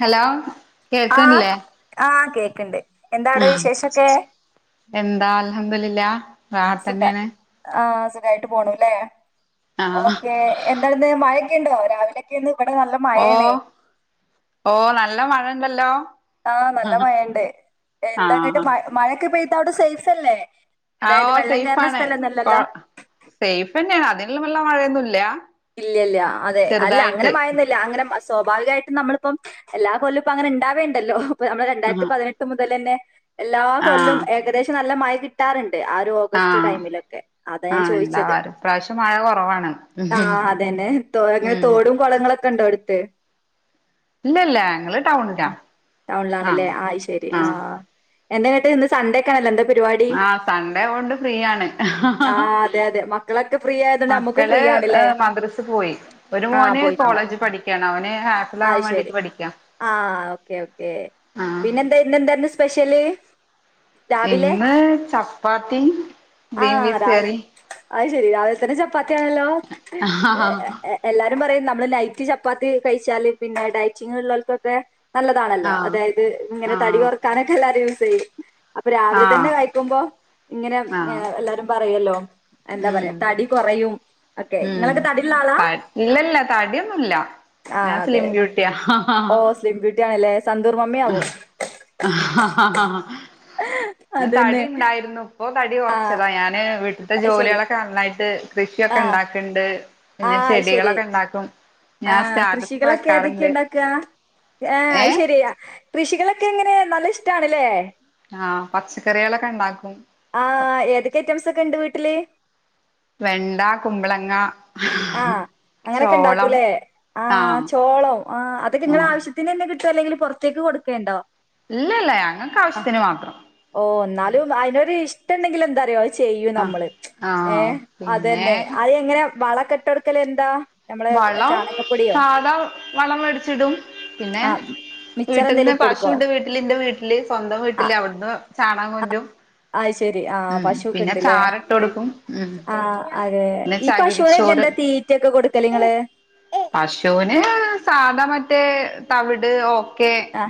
Hello ആഹ് ആഹ് കേക്കണ്ട് ആഹ് എന്താ അൽഹംദുലില്ലാ റാഹത്ത്ന്നെയാണ് ആഹ് സുഖമായിട്ട് പോണുല്ലേ ആഹ് ഓക്കെ എന്താന്ന് മഴൊക്കെ ഉണ്ടോ രാവിലൊക്കെന്ന് ഓഹ് ഓഹ് നല്ല മഴണ്ടല്ലോ ആഹ് നല്ല മഴയുണ്ട് എന്താ ആഹ് മഴൊക്കെ പെയ്ത് അവിടെ സേയ്ഫല്ലേ ആഹ് സേഫ് ആണ് സേഫ് തന്നെയാണ് അതിനിലുമുള്ള മഴയൊന്നും ഇല്ല ഇല്ലല്ല അതെ അല്ല അങ്ങനെ മഴയൊന്നുമില്ല അങ്ങനെ സ്വാഭാവികമായിട്ടും നമ്മളിപ്പം എല്ലാ കൊല്ലുവും ഇപ്പോ അങ്ങനെണ്ടാവുണ്ടല്ലോ ഇപ്പൊ നമ്മള് ആഹ് രണ്ടായിരത്തി പതിനെട്ട് മുതൽ തന്നെ എല്ലാ കൊല്ലും ആഹ് ഏകദേശം നല്ല മഴ കിട്ടാറുണ്ട് ആഹ് ഒരു ഓഗസ്റ്റ് ആഹ് ടൈമിലൊക്കെ അതാ ഞാൻ ആഹ് ചോയിച്ചത് ഉണ്ടാവാറ് ഇപ്രാവശ്യം മഴ കുറവാണ് ആഹ് അതന്നെ തോ ഉം തോടും കൊളങ്ങളൊക്കെ ഒണ്ടോ അട്ത്ത്- ഇല്ലല്ല ഞങ്ങള് ടൗണിലാ ആഹ് ടൗണിലാണല്ലേ ആഹ് ആയിശരി ആഹ് - എന്റെ കെട്ടിയോന് ഇന്ന് സണ്ടേക്കണല്ലോ എന്ത്- പരിപാടി ആഹ് സൺഡേ കൊണ്ട് ഫ്രീ ആണ് ആഹ് അതെ അതെ മക്കളൊക്കെ ഫ്രീ ആയതണ്ട് അമ്ക്ക് ഫ്രീ- ഹ് ആണല്ലേ മദ്രസ് പോയി ഒരു ആഹ് മോന് പോയിട്ടുണ്ടാവും കോളേജിൽ പഠിക്കാണ് അവന് ഹാപ്പൽ ആകാൻ അയ് വേണ്ടിട്ട് ശരി പഠിക്കാ- ആഹ് ഓക്കെ ഓക്കെ ആഹ് പിന്നെ എന്താ ഇന്നെന്തായിരുന്നു സ്പെഷ്യല്- ഇന്ന് ചപ്പാത്തീം- ആ അത് ശെരി രാവിലെ തന്നെ ചപ്പാത്തിയാണല്ലോ ആഹ് എല്ല എല്ലാരും പറയും നമ്മള് നൈറ്റ് ചപ്പാത്തി കഴിച്ചാല് പിന്നെ ഡയറ്റിങ്ങ് ഉള്ളവർക്കൊക്കെ നല്ലതാണല്ലോ ആഹ് അതായത് ഇങ്ങനെ തടി കുറക്കാനൊക്കെ എല്ലാരും യൂസ് ചെയ്യും അപ്പൊ ആഹ് രാവിലെ തന്നെ ആഹ് കഴിക്കുമ്പോ ഇങ്ങനെ എല്ലാരും പറയല്ലോ എന്താ പറയാ ഉം തടി കൊറയും ല്ലേ നിങ്ങളൊക്കെ തടിയുള്ള തടി ഇല്ലല്ല തടിയൊന്നുമില്ല ആഹ് ഞാൻ അതെ സ്ലിം ബ്യൂട്ടിയാ ഓ സ്ലിം ബ്യൂട്ടി ആണല്ലേ സന്തൂർ മമ്മി ആവും ആ ആ ഞാൻ അതന്നെ തടി ഉണ്ടായിരുന്നു ഇപ്പൊ തടി ആഹ് കുറച്ചതാ ഞാന് ഇ അത് ശരി ജോലികളൊക്കെ നന്നായിട്ട് കൃഷിയൊക്കെ ആഹ് ഉണ്ടാക്ക്ണ്ട് ആഹ് ശരി ഞാൻ ആഹ സ്റ്റാറ്റസ് ഒക്കെ കൃഷികളൊക്കെ ഏതൊക്കെയാ വെക്കാറുണ്ട് ഉണ്ടാക്കുക ആ ഏ അത് ശരിയാ കൃഷികളൊക്കെ എങ്ങനെ നല്ല ഇഷ്ടാണല്ലേ ആ പച്ചക്കറികളൊക്കെ ഉണ്ടാക്കും ആ ഏതൊക്കെ ഐറ്റംസ് ഒക്കെ ഉണ്ട് വീട്ടില് വെണ്ട കുമ്പളങ്ങ ആഹ് അങ്ങനൊക്കെ ചോളം ഉണ്ടാക്കൂല്ലേ ആ ആഹ് ചോളം ആ അതൊക്കെ നിങ്ങള ആഹ് ആവശ്യത്തിന് തന്നെ കിട്ട ആവശ്യം അല്ലെങ്കിൽ പുറത്തേക്ക് കൊടുക്കേണ്ടോ ഇല്ലല്ല ഞങ്ങൾക്ക് ആ ആവശ്യത്തിന് മാത്രം ഓ എന്നാലും അയിനൊരു ഇഷ്ടം ഉണ്ടെങ്കിൽ എന്താറിയോ ചെയ്യും നമ്മള് ആഹ് ഏഹ പിന്നെ അതന്നെ അത് എങ്ങനെ വളക്കെട്ടൊടുക്കൽ എന്താ നമ്മളെ വളം ചാണകപ്പൊടിയോ സാധാ വളം മേടിച്ചിടും പിന്നെ ആഹ് മിച്ചർ എന്തേലും വീട്ടിൽന്ന് ഇട്ട് കൊടുക്കോ? പശുണ്ട് വീട്ടില് എന്റെ വീട്ടില് സ്വന്തം ആ വീട്ടില് അവിടുന്ന് ചാണകം കൊണ്ടും ശരി ആ ഉം പശൂക്കെ പിന്നെ ഉണ്ട്ല്ലേ ചാരട്ട് കൊടുക്കും ഉം ആ അതെ പിന്നെ ഈ ചകിരിച്ചോറ് പശുവിനൊക്കെന്താ തീ ഗിഫ്റ്റൊക്കെ കൊടുക്കല് നിങ്ങള് പശൂന് സാധാ മറ്റേ തവിട് ഒ ആ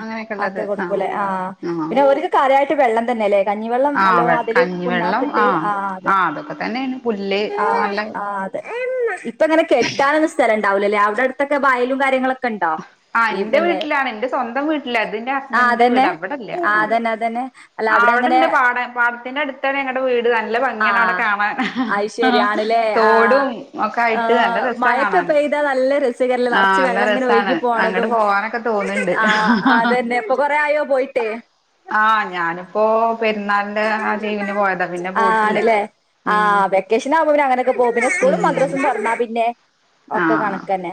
ആക്കെ കൊടുക്കൂലേ ആ ആഹ് പിന്നെ ഓര്ക്ക് കാര്യമായിട്ട് വെള്ളം തന്നെല്ലേ കഞ്ഞിവെള്ളം നല്ലോം ആഹ് അതില് കഞ്ഞിവെള്ളം പുണ്ണാക്കിട്ട് ആഹ് ആ അതെ ആഹ് അതൊക്കെ തന്നെയാണ് പുല്ല് ആ ഇപ്പ നല്ല ആ അതെ ഇപ്പോ അങ്ങനെ കെട്ടാനൊന്നും സ്ഥലംണ്ടാവൂലല്ലേ അവിടെ അടുത്തൊക്കെ വയലും കാര്യങ്ങളൊക്കെ ഇണ്ടോ ആഹ് ഈ എന്റെ പിന്നെ വീട്ടിലാണ് എന്റെ സ്വ സ്വന്തം വീട്ടിലാ അതിന്റെ ആഹ് ഹസ്ബൻഡിന്റെ വീട് അതന്നെ അവിടല്ല ആഹ് അതന്നെ അതന്നെ അല്ല ആ അവിടെ അങ്ങനെ അവടെണ്ട് പാടം പാടത്തിന്റെ അടുത്താണ് ഞങ്ങടെ വീട് നല്ല ഭംഗിയാണ് അവടെ ആഹ് കാണാൻ അത് തോടും ഒക്കെ ആയിട്ട് ആ മഴക്കെ പെയ്താൽ നല്ല രസ ആഹ നല്ല രസാണ് അങ്ങോട്ട് പോകാനൊക്കെ തോന്നുന്നുണ്ട് ആഹ് അതന്നെ ഇപ്പൊ കൊറേ ആയോ പോയിട്ട്? ആഹ ഞാനിപ്പോ പെരുന്നാളിന്റ ആ ലീവിന് പോയതാ പിന്നെ പോയിട്ടില്ല ആ ഉം വെക്കേഷൻ ആകുമ്പം പിന്നെ അങ്ങനൊക്കെ പോകും പിന്നെ സ്കൂളും ഉം മദ്രാസും തുറന്നാ പിന്നെ ആ ഒക്കെ കണക്ക് തന്നെ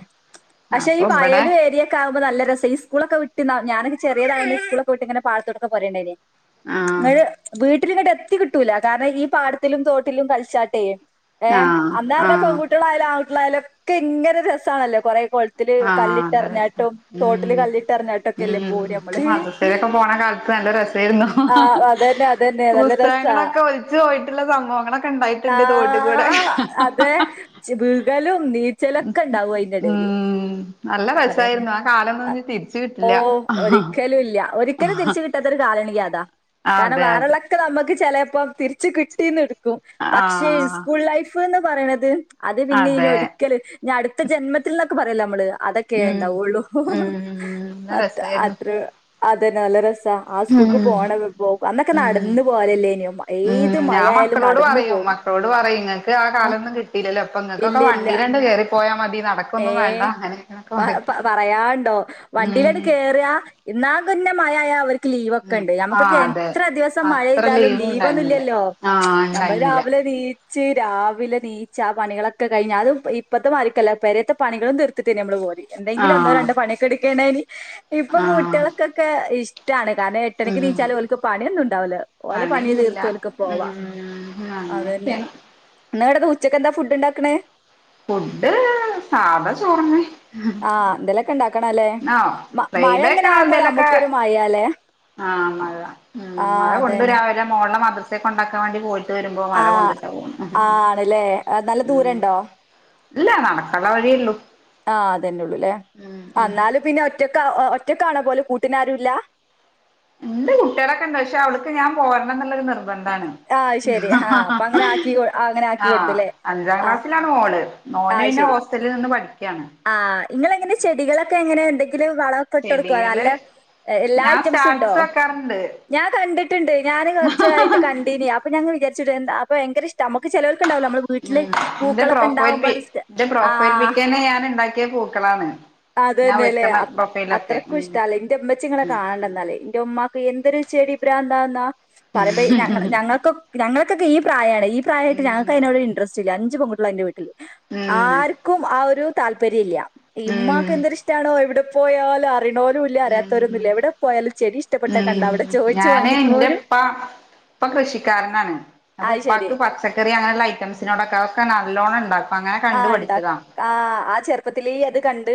പക്ഷെ ഈ അപ്പൊ ഇവിടെ വയലും ഏരിയൊക്കെ ആവുമ്പോ നല്ല രസം ഈ സ്കൂളൊക്കെ വി ഞാനൊക്കെ ചെറിയതായ് സ്കൂളിൽ പോയിട്ട് ഇങ്ങന പാടത്തൂടൊക്കെ പോരെണ്ടേനി ആ നിങ്ങള് വീട്ടിലി ഇങ്ങോട്ട് എത്തി കിട്ടൂല കാരണം ഈ പാടത്തിലും തോട്ടിലും കളിച്ചാട്ടേ ആ ഏഹ ആ അന്നോരഞ്ഞ പെൺകുട്ടികളായാലും ആങ്ങകുട്ടിയളായാലും ഒക്കെ ഇങ്ങനെ രസമാണല്ലോ കൊറെ കൊളത്തിൽ ആ നല്ല രസാ കല്ലിട്ടറിഞ്ഞാട്ടും തോട്ടില് ഉം കല്ലിട്ടറിഞ്ഞാട്ടും ഒക്കെല്ലേ ഉം പോര നമ്മള് മദ്രസയിലൊക്കെ പോണ നല്ല രസായിരുന്നു ആഹ് അതന്നെ അതന്നെ നല്ല രസാ പുസ്തകങ്ങളൊക്കെ ഒലിച്ച് പോയിട്ടുള്ള സംഭവങ്ങളൊക്കെ ഉണ്ടായിട്ടുണ്ട് തോട്ടിൽ കൂടെ ച നീച്ചലൊക്കെ ഉണ്ടാവും അയിന്റെടേല് ഉം നല്ല അതന്നെ രസായിരുന്നു ആ കാലൊന്നും ഇനി തിരിച്ചു ഓ കിട്ടില്ല ഒരിക്കലും ഇല്ല ഒരിക്കലും തിരിച്ച് കിട്ടാത്തൊരു കാലണെങ്കി അതാ അതെ അതെ വേറെള്ളോക്കെ നമുക്ക് ചിലപ്പോ തിരിച്ച് കിട്ടിന്നിരിക്കും പക്ഷേ ആഹ് സ്കൂൾ ലൈഫ് എന്ന് പറയണത് അത് പിന്നെ ഇനി അതെ ഒരിക്കല് ഇനി അടുത്ത ജന്മത്തിൽ നിന്നൊക്കെ പറയല്ലോ നമ്മള് അതൊക്കെ ഉം ഉണ്ടാവൊള്ളു ഉം നല്ല മ രസായിരുന്നു അത്ര അതന്നെ നല്ല രസമാണ് ആ സ്കൂൾക്ക് ഉം പോണ പോ ഉം ഉം മഴ ഞാൻ ആയാലും മക്കളോട് നടന്ന് പറയും പോവും മക്കളോട് പറയും നിങ്ങക്ക് ആ കാലമൊന്നും കിട്ട ല്ലല്ലോ അപ്പൊ ഇല്ല നിങ്ങൾക്കൊക്കെ ഇല്ല വണ്ടിയിലണ്ട് കേറി പോയാ മതി നടക്കൊന്നും ഏ വേണ്ട അങ്ങനെങ്ങനൊക്കെ പറയ് - ഓഹ് വണ്ടിയിലത് കേയറിയ ഇന്നാൾകുപിന്നമയ ആയ അവർക്ക് ലീവ ഒക്കെ ഉം ഉണ്ട്- ഞമ്മുക്ക് ആഹ് അതെ ഇത്ര ദിവസം മഴ അത്ര പെയ്താലും ലീവ് ഉണ്ടായിരുന്നില്ല ലീവൊന്നുല്ലല്ലോ ആഹ് നമ്മൾ ഉണ്ടായിരുന്നില്ല രാവിലെ നീ ച്ച് രാവിലെ നീച്ച് ആ പണികളോക്കെ കഴിഞ്ഞ അുതും ഇപ്പത്തെും മാരിക്കല്ല പെരേത്തെ പണികളും തീർത്തിട്ട്ന്നെ നമ്മള് പോയ- എന്തെങ്കിലും ഒന്നോ ആഹ് രണ്ടൊ പണിയൊക്കെ എടുക്കെണ്ടയ്നി ഇപ്പം ആഹ് കുട്ടികൾക്കൊക്കെ ഇഷ്ടാണ്- കാരണം ഏട്ടരക്ക് ഉം നീച്ചാലും ഓൽക്ക്- പണിയൊന്നും ഉണ്ടാവൂല ഓലെ പണി പണിയൊന്നുല്ല തീർത്തോൽക്ക് പോവാ ഉം അത് തന്നെ- അങ്ങനെയൊക്കെയാണ് ന്ന്ങ്ങട്ട് ഉച്ചക്ക് എന്താ ഫുഡ് ഉണ്ടാക്കണേ? ഫുഡ് സാധാ ചോർന്നെ ആഹ എന്തെലൊക്കെ ഉണ്ടാക്കണം അല്ലേ മ മഴ ഫ്രൈഡേ എങ്ങനെ ഒക്കെ ആവുമ്പോ എന്തേലൊക്കെ നമുക്കൊരു മഴല്ലേ ആഹ് മഴ ഉം മഴ അതന്നെ കൊണ്ടുരാവിലെ മോളെ മദ്രസെ കൊണ്ടാക്കാൻ വേണ്ടി പോയി ആ ആണല്ലേ നല്ല ഉം ദൂരണ്ടോ ഇല്ല നടക്കള്ള വഴിയുള്ളൂ ആ അതെന്നെള്ളൂ ലെ ഉം ഉം എന്നാലും പിന്നെ ഒറ്റ ഒറ്റക്കാണാ പോലും കൂട്ടിനാരുംല്ലാ ണ്ട് കുട്ടിയെളൊക്കെ ണ്ട് ക്ഷെ അവ്ട് ക്ക് ഞാൻ പോരണന്നുള്ള ഒരു നിർ നിർബന്ധണ് ആഹ് ശെരി ആ ആഹ് ഹഹ അപ്പൊ അങ്ങനെ ആക്കി അങ്ങനെ ആക്കി ആ കൊടുത്തല്ലേ അഞ്ചാം ആഹ് ക്ലാസ്സിലാണ് മോള് മോന് പിന്നെ ഹോസ്റ്റലിൽ നിന്ന് പഠിക്കയാണ് ആ ഇങ്ങൾ എങ്ങനെ ചെടികളൊക്കെ എങ്ങനെ എന്തെങ്കിലും വളക്കെ ഇട്ട് കൊടുക്കോ ഷെഡ്യൂള് നല്ല എല്ലാ ഞാൻ ഐറ്റംസും ഉണ്ടോ സ്റ്റാറ്റസ് വെക്കാറുണ്ട് ഞാൻ കണ്ടിട്ടുണ്ട് ഞാൻ കുറച്ചായിട്ട് കണ്ടി അപ്പൊ ഞാൻ വിചാരിച്ചുട്ട് എന്താ ഭയങ്ക ഇഷ് നമുക്ക് ചെലവർക്കണ്ടാവല്ലോ നമ്മള് വീട്ടില് ഉം എന്റെ പൂക്കളൊക്കെ പ്രൊഫൈൽ ഉണ്ടാവുമ്പോ പി അത് ച്ച്ട്ട് എന്റെ ആ പ്രൊഫൈൽ ആ ആ പിക്കന്നെ ഞാൻ ഇണ്ടാക്കിയ പൂക്കളാണ്. അത് ഞാൻ തന്നെ അല്ലേ വെക്കുന്ന പ്രൊഫൈലൊക്കെ അത്രയ്ക്കും ഉം ഇഷ്ടല്ലെ എന്റെ ഉമ്മച്ചി ഇങ്ങളെ കാണണംന്നാല് എന്റെ ഉമാക്ക് എന്തര് ഇഷ് ചെടി ഭ്രാന്ത് ന്താന്നാ പറയമ്പ ഞ ഞങ്ങൾക്ക ഞങ്ങൾക്കൊക്കെ ഈ പ്രായ--ണ് ഈ പ്രായമായിട്ട് ഉം ഞങ്ങൾക്ക് അതിനോട് ഇൻട്രസ്റ്റ്ല്ല അഞ്ച് പെൺകുട്ടിള ന്റെ വീട്ടില് ഉം ആർക്കും ആ ഒരു താല്പര്യം ഇല്യ ഇമ്മാക്ക് ഉം എന്തൊരു ഇഷ്ട്ടാണോ എവിടെ പോയാലു അറിണോലും ഇല്ല ഉം ഉം അറിയാത്തവരൊന്നുമില്ല എവിടെ പോയാലും ചെടി ഇഷ്ടപ്പെട്ട കണ്ട ഉം അവിടെ ചോയിച്ചു വാങ്ങിപ്പോരും. ഉപ്പ കൃഷിക്കാരനാണ് അപ്പൊ അത് ശരി ഉപ്പക്ക് പച്ചക്കറി അങ്ങനെയുള്ള ഐറ്റംസിനോടൊക്കെ നല്ലോണം ഉണ്ടാക്കും. അങ്ങനെ ആ കണ്ടു ഉണ്ടാക്ക പഠിച്ചതാ ആ ആ ചെറുപ്പത്തിലെ അത് കണ്ട ണ്ട്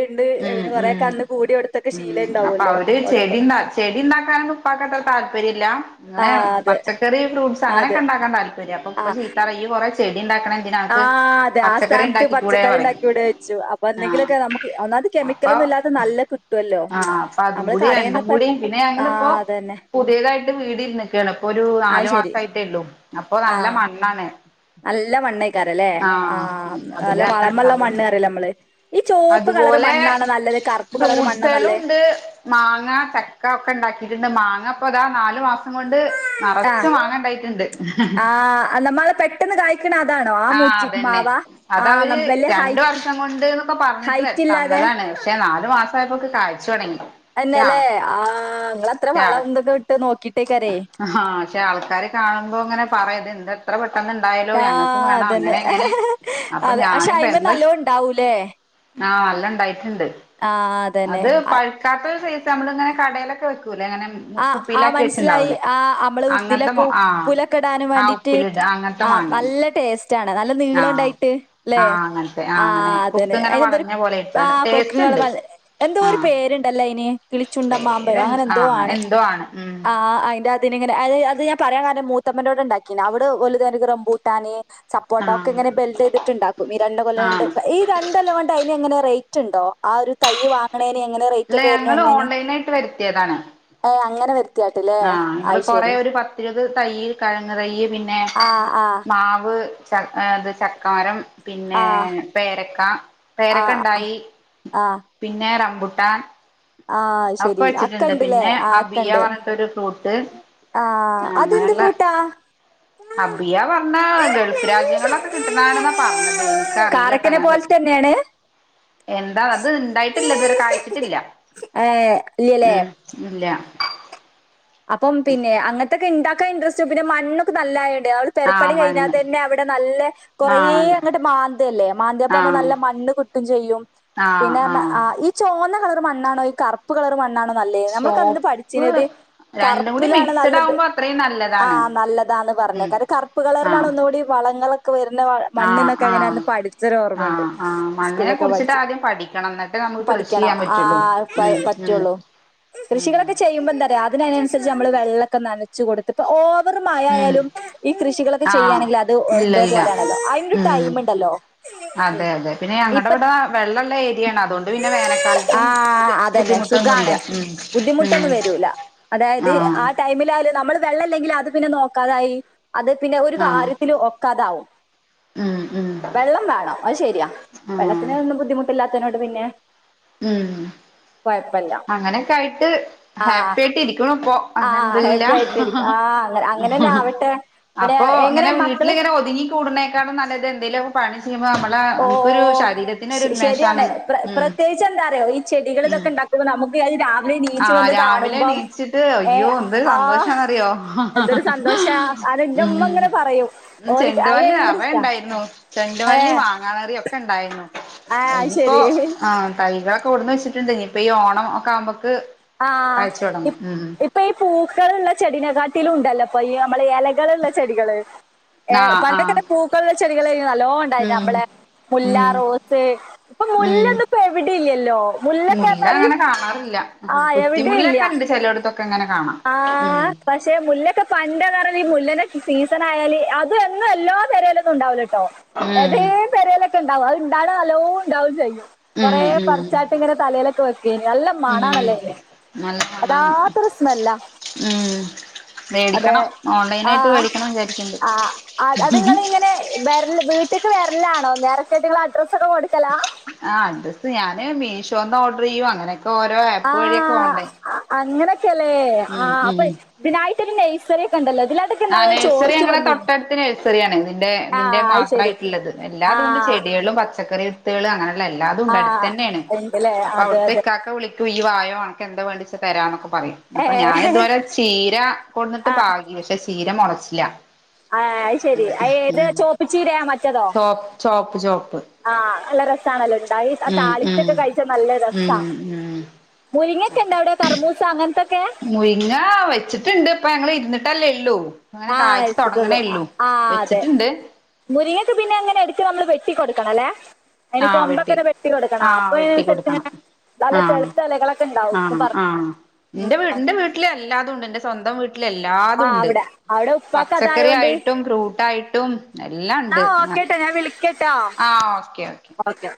ഉം പിന്നെ കൊറെ ഉം കെ അന്ന് കൂടി അവിടുത്തൊക്കെ ഉം ശീല അപ്പൊ ഉണ്ടാവല്ലോ അവര് ഓരോപ്പ ചെടി ചെടി ഉണ്ടാക്കാനൊന്നും [unintelligible] താല്പര്യല്ല അങ്ങനെ പച്ചക്കറി ഫ്രൂട്സ് അങ്ങനൊക്കെ അതെ ഉണ്ടാക്കാൻ താല്പര്യം അപ്പൊ ആ ഇപ്പചീത്തറയു കുറേ ചെടി ഉണ്ടാക്കണ ആ എന്തിനക്ക് അതെ. ആ പച്ചക്കറി സ്ഥാനത്ത് ഉണ്ടാക്കി ക്കൂടെ പച്ചക്കറി പറിം ഇണ്ടാക്കി ഇവിടെ വെച്ചു. അപ്പൊ എന്തെങ്കിലൊക്കെ നമുക്ക് ഒന്നാമത് ആ അപ്പൊ കെമിക്കലൊന്നും ഇല്ലാത്ത നല്ല കിട്ടുവല്ലോ. ആ അപ്പൊ അതും നമ്മള് കൂടി രണ്ടും കടേന്നിപ്പ കൂടിം പിന്നെ ആ ഞങ്ങള്പ്പോ അതന്നെ. പുതിയതായിട്ട് വീട്ന്നക്കാണ് ഇപ്പൊ ഒരു അത് നാലു മാസ ശരി. ആയിട്ടേ ഉള്ളൂ അപ്പൊ ആ നല്ല മണ്ണാണ് നല്ല ഉപ്പ് മണ്ണേക്കാരല്ലേ? ആ അതില നല്ല തന്നെ വളമുള്ള മണ്ണ് ഇണ്ടാവുള്ളൂ പറയല്ലേ നമ്മള്. ഈ ചോപ്പ് കളറ് അതുപോലെ മണ്ണാണോ നല്ലത് കറുപ്പ് കളറ് മണ്ണാ നല്ലേ? [unintelligible] മാങ്ങ ചക്ക ഒക്കെ ഉണ്ടാക്കകിട്ട്ണ്ട് മാ ആപ്പൊ താ നാലു മാസം കൊണ്ട് ആ നറച്ച് മാങ്ങണ്ടായിട്ടുണ്ട് ഹ ഹ ഹ ആ നമ്മള് പെട്ടെന്ന് കായി ആ അതന്നെ ആ ന- അതവര് വലിയ രണ്ട് ഹൈറ്റ് വർഷം കൊണ്ട്ന്നൊക്കെ പറഞ്ഞിട്ട് വ ഹൈറ്റ് തന്ന ഇല്ലാതെ അതാണ് പക്ഷെ നാല് മാസം ആയപ്പോക്കെ [unintelligible] ന്നെല്ലേ ആ ങ്ങളത്ര വളം എന്തൊക്കെ ഇട്ട് നോക്കിട്ടേക്കരേ ആക്ഷെ ആൾക്കാര് കാണുമ്പോ ഇങ്ങനെ പറയും ഇത് എന്താ [unintelligible] പെട്ടെന്ന് ഇണ്ടായല്ലോ ആ ഞങ്ങൾക്കും വേണം അതന്നെ അങ്ങനെ എങ്ങനെ അപ്പൊ അതെ പക്ഷെ ഞാനിപ്പൊ അയിമെ എന്ത് ചെ നല്ലോ ഉണ്ടാവൂലേ ആ നല്ല ഉണ്ടായിട്ടുണ്ട് ആ അതന്നെ അത് ആ പഴുക്കാത്തരു സൈസ് എന്നിട്ട് നമ്മള് ഇങ്ങനെ കടയിലൊക്കെ വെകുലേ അങ്ങനെ ആ കുപ്പയിലകി [unintelligible] നല്ല ആഹ് ആഹ് ഉപ്പിലിടാ അങ്ങനത്തെ മാങ്ങയാണ് ആഹ് നീളംണ്ടായിട്ട്ല്ലേ ആഹ് അങ്ങനത്തെ ആഹ് അങ്ങനെ കുക്ക് ആഅതന്നെ ഇങ്ങനെ അതിന്എന്തൊരു വളഞ്ഞ പോലെ ആ ഇട്ട് ടേസ്റ്റ് ഉണ്ട് [unintelligible] എന്തോ ഒരു ആഹ് പേരുണ്ടല്ലോ അയിന് കിളിച്ചുണ്ടമാമ്പഴം പേര് അങ്ങനെ എന്തോ ആഹ് ആണ് എന്തോ ആണ് ഉം ആ അയിന് അതിന്ങ്ങനെ അത് അത് ഞാൻ പറയാൻ കാരണം മൂത്തമ്മന്റോടെ ഉണ്ടാക്കീന് അവിടെ ഓല് തേർക്ക് വലുതന റമ്പൂട്ടാന് സപ്പോർട്ടാ ആഹ് ഒക്കെ ബെൽഡ് ചെയ്തിട്ടുണ്ടാക്കും മിരണ്ട കൊലണ്ട് ആഹ് ഈ രണ്ട് കൊല്ലം കൊണ്ട് അയിന് എങ്ങനെ റേറ്റ് ണ്ടോ ആ ഒരു തൈയി വാങ്ങണേന് എങ്ങനെ റേറ്റ് ഇല്ല ഒക്കെ വരുന്ന ഞങ്ങള് ഒന്നിന് ഓൺലൈനായിട്ട് ഏഹ് അങ്ങനെ വരുത്തിയാട്ടില്ലേ? ആ നിങ്ങൾ അയ് കൊറ ശരി. ഒരു പത്തിരുപ്പത് തൈയിൽ കിഴങ്ങ് തൈ പിന്നെ ആഹ് ആഹ് മാവ് ചഏ ത് ചക്കമരം പിന്നെ ആഹ് പേരക്ക പേരക്ക ആഹ് ആഹ് ഉണ്ടായി ആഹ് പിന്നെ റംബൂ റംബൂട്ടാൻ ആഹ് അയ് ഒക്കെ ശരി. അക്കെ വെച്ചിട്ടുണ്ട് ഇണ്ട്ല്ലേ? പിന്നെ ആഹ് ആബിയ അക്കെണ്ട്. പറഞ്ഞ ഫ്രൂട്ട് ആഹ് ആ അതെന്ത് അങ്ങനെയുള്ള ഫ്രൂട്ടാ? അബിയ പറഞ്ഞ ഗൾഫ് രാജ്യങ്ങളൊക്കെ കിട്ടുന്നാന്നാ പറഞ്ഞത് എനിക്കറിയില്ലട്ടോ ഞാൻ എങ്ങനെയാണ് എന്താ അത് ഉണ്ടായിട്ടില്ല ഇതുവരെ കഴിച്ചിട്ടില്ല ഏ ഇല്ല്യ ലേ [inaudible] അപ്പം പിന്നെ അങ്ങനത്തക്കെ ഇണ്ടാക്കാൻ ഇൻട്രസ്റ്റ് പിന്നെ മണ്ണൊക്കെ നല്ലായി രാവിലെ ആഹ് പെരപ്പണി കഴഞ്ഞാൽ മണ്ണ് തന്നെ അവിടെ നല്ല കുറേ ആഹ് അല്ല അങ്ങട്ട് മാന്തയല്ലേ മാന്തിയെപ്പ ആഹ് നല്ല മണ് ഇന്ന് കുത്തും ചെയ്യും ആഹ് പിന്നെ അർഞ ആഹ് ആ ഈ ചോന്ന കളർ മണ്ണാണോ ഈ കറപ്പ് കളർ മണ്ണാണോ നല്ലത് നമ്മൾക്ക് അന്ന് സോപ്പ് പഠിച്ചീന്നത് രണ്ടും കൂടി കറുപ്പിലാണ് മിക്സഡ് നല്ലത് ആകുമ്പോ അത്രയും ആ നല്ലതാണ് നല്ലതാന്ന് പറഞ്ഞേ ഉം കാര്യം കറുപ്പ് കളറിലാണ് ആഹ് ഒന്നുകൂടി വ വരുന്ന ആഹ് മണ്ണന്നൊക്കെ ആഹ് അങ്ങനെന്ന് പഠിച്ചൊരു ഓർമ്മുണ്ട് ആഹ് ആഹ് മണ്ണിനെ സ്കൂളിലൊക്കെ കുറിച്ചിട്ട് പഠിച്ച ആദ്യം പഠിക്കണം എന്നിട്ട് നമുക്ക് കൃഷി പഠിക്കണം ചെയ്യാൻ ആ പറ്റുള്ളൂ പ ഉം ഉം പറ്റുള്ളൂ ഉം കൃഷികളൊക്കെ ചെയ്യുമ്പോന്തത് അതി ഇതയ്നനുസരിച്ച് നമ്മള് വെള്ളൊക്കെ നനച്ച് കൊടുത്തിപ്പ ഓ പ്പർ ഉം മയായാലും ഈ കൃഷികളൊക്കെ ആഹ് ചെയ്യാണെങ്കിൽ അത് എന്തോ ഇല്ലല്ല പോലെയാണല്ലോ അയിനൊരു ഉം ടൈം ഇണ്ടല്ലോ അതെ അതെ പിന്നെ ഞങ്ങടെ ഇവിടെ വെള്ളള്ള ഏരിയാണ് അതുകൊണ്ട് പിന്നെ വേനക്കാലത്തും ആഹ് അതന്നെ ബുദ്ധിമു സുഖാണ് ബുദ്ധിമുട്ടൊന്നും വരൂല അതെ അതായത് ആഹ് ആ ടൈമിലായാലും നമ്മൾ വെള്ളല്ലെങ്കില് അത് പിന്നെ നോക്കാതായി അത് പിന്നെ ഒരു ആഹ് കാര്യത്തില് ഒക്കെ അതാവും ഉം ഉം വെള്ളം വേണം അത് ശെരിയാ ആഹ് വെള്ളത്തിന് ഒന്നും ബുദ്ധിമുട്ടില്ലാത്ത യ്നോട് പിന്നെ ഉം കുഴപ്പമില്ല അങ്ങനെയൊക്കെ ആയിട്ട് ആഹ് ഹാപ്പി ആയിട്ട് ഇരിക്ക്ണ് ഇപ്പോ ആഹ് ഹാപ്പി അൽഹംദുലില്ലാഹ് ആയിട്ടിരിക്ക ആഹ് അങ്ങനെ അങ്ങനെ തന്നെ ആവട്ടെ പിന്നെ അപ്പൊ ഇങ്ങനെ എങ്ങനെ മക്കള് വീട്ടിലിങ്ങനെ ഒതുങ്ങി കൂടുന്നേക്കാളും നല്ലത് എന്തേലും പണി [unintelligible] ഞമ്മളെ ഓ നമുക്കൊരു ശരീരത്തിനൊരു ഉന്മേഷാണ് മ് എന്താറിയോ ഈ ചെടികളിതൊക്കെ ഇണ്ടാക്കുമ്പോ നമുക്ക് എൽ ആ രാവിലെണീച്ചിട്ട് ഏ അയ്യോ എന്തൊരു ആ സന്തോഷാന്നറിയോ എന്തൊരു സന്തോഷാ അത് എന്റെ മ് ഉമ്മ ഇങ്ങനെ പറയും മ് ഓര്ക്ക് അയിന് ചെണ്ടുമല്ലി ഭയങ്കര ഇഷ്ടാ നറേണ്ടായിന്നു ഏ ചെണ്ടുമല്ലി മാങ്ങാനറിയോ ഇപ്പൊണ്ടായിരുന്നു ആ അത് ഇനിപ്പോ ശരി ആ തൈക തൊടുന്നുവെച്ചിട്ട് എന്തെ ഇപ്പോ ഈ ഓണം ഒക്കെ ആകുമ്പോഴേക്ക് ആഹ ഇപ്പൊ ഈ പൂ കളുള്ള ചെടിനെ കാട്ടിലും ഉണ്ടല്ലോ ഇപ്പൊ ഈ നമ്മളെ ഈ എലകളുള്ള ചെടികള് ഏ ആ ആ പണ്ടക്കിടെ പൂക്കളുള്ള ചെടികളെ [unintelligible] നല്ലോണം ഉണ്ടായർന്നു ഉം നമ്മള മുല്ല ഉം റോസ് ഇപ്പൊ ഉം മുല്ലായിപ്പൊ എവിടെ ഇല്ലല്ലോ മുല്ലൊക്കെ മുല്ല പറഞ്ഞാല് അങ്ങനെ കാണാറില്ല കുറ്റിമുല്ല ഒക്കെ ഉണ്ട് ചെലോട്ത്തൊ ആ പക്ഷെ മുല്ലൊക്കെ പണ്ട് [unintelligible] ഈ മുല്ലനെ സീസൺ ആയാല് അത് എന്നും എല്ലോ പെരേലൊന്നും ഉണ്ടാവൂലെട്ടോ ഉം ഏതേം പെരല ഉണ്ടാവും അത് ഉണ്ടാവണ നല്ലോണം ഉണ്ടാവുകയും ചെയ്യും കുറെ ഉം ഉം പറിച്ചായിട്ട് ഇങ്ങനെ തലയിലൊക്കെ വെ നല്ല ഉം മണാണല്ലേ അന് നല്ല കാണാന് അതാത്തൊരു സ്മെല്ലാ ഉം അതെ മേടിക്കണം ആ ഓൺലൈനായിട്ട് മേടിക്കണം വിചാരിക്കണ്ട് ആ അത് അതിങ്ങള് ഇങ്ങനെ വേറെല്ല ഇത് വീട്ടേക്ക് വരലാണോ നേരത്തൊയിട്ട് നിങ്ങള് അഡ്രസ് ഒക്ക കൊടുത്തലോ ആ ഡ്രസ്സ് ഞാന് മീഷോന്ന് ഓർഡ്രിയ്യും അങ്ങനെ ആ അങ്ങനെ ക്കല്ലേ ആ ഉം അപ്പൊ ഉം ഇതിനായിട്ട് ഒരു നയ്സറിയോക്കെണ്ടല്ല ആ നഴ്സറി ഞങ്ങളുടെ തൊട്ടടുത്ത് ആ നേഴ്സറി ഞങ്ങളെ തൊട്ടടുത്ത് നഴ്സറി ആണ് ഇതിന്റെ ആ ഇതിന്റെ അത് ശരി മാത്രായിട്ട്ള്ളത് ആ എല്ലാതുണ്ട് ചെ ചെടികളും പച്ചക്കറികളും ഇതേൾ അങ്ങനെള്ള എല്ലാതും ഉണ്ട് ആ അടുത്തന്നേണ് ഉണ്ടല്ലേ അപ്പൊ അതെ അവിട്ത്തെ അതെ ഇക്കാക്ക വിളിക്കും ഇയ്യ് വായോ [unintelligible] അൻക്കെന്താ വേണ്ടിച്ച തരാന്നൊക്കെ പറയും ഏ അപ്പൊ ഞാൻ ഇതുവരെ ചീര കൊട്ന്നിട്ട് ആ പാകി പ ചീര മൊളച്ചില്ല ആ അയ് ശെരി അയ് ഏത് ചോപ്പ് ചീരയാ മറ്റതോ ചോപ്പ് ചോപ്പ് ചോപ്പ് ആ നല്ല രസാണല്ലോ ണ്ടായി ആ ഉം ഉം താളിച്ചൊക്ക കഴിച്ച നല്ല രസാ ഉം ഉം മുരിങ്ങക്കണ്ടാ അവിടെ കറ്മൂസ അങ്ങനത്തെ മുരിങ്ങാ വെച്ചിട്ടുണ്ട് ഇപ്പ ഞങ്ങള് ഇരുന്നിട്ടല്ലേ ഉള്ളൂ- അങ്ങനെ ആഹ് കായ്ച്ച് അരിച്ചിട്ടുള്ളൂ തുടങ്ങണേ ഉള്ളൂ ആഹ് അതെ വെച്ചിട്ടുണ്ട് മുരിങ്ങക്ക് പിന്നെ അങ്ങനെ എടുക്ക് നമ്മള് വെട്ടികൊട്ക് ക്കണം അല്ലെ അതിന് കൊമ്പൊക്കനെ വെട്ടി കൊടുക്കണ ആഹ് അപ്പൊ വെട്ടി അതിനനുസരിച്ച് കൊടുക്കണം ഇങ്ങനെ- നല്ല ആഹ് ചെല്ത്ത എലകളൊക്കെ ഇണ്ടാവുംന്ന് ആഹ് പറഞ്ഞ ഉം- ണ്ട് എന്റെ സ്വന്തം വീട്ടിൽ ആ എല്ലാതും ഉണ്ട് അവിടെ അവിടെ ഉപ്പാക്ക് പച്ചക്കറി ആയിട്ടും ഫ്രൂട്ടായി- ആഹ് ഓക്കേട്ടാ ഞാൻ വിളിക്കട്ടാ ആഹ് ഓക്കെ ഓക്കെ-